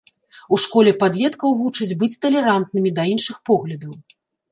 У школе падлеткаў вучаць быць талерантнымі да іншых поглядаў.